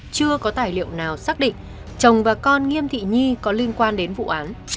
chưa có tài liệu nào xác định chồng và con nghiêm thị nhi có liên quan đến vụ án